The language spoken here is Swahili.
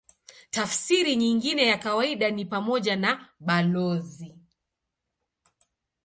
Tafsiri nyingine ya kawaida ni pamoja na balozi.